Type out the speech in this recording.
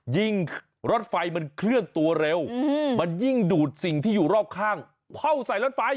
รถไฟมันเคลื่อนตัวเร็วมันยิ่งดูดสิ่งที่อยู่รอบข้างเข้าใส่รถไฟ